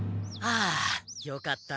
あよかった。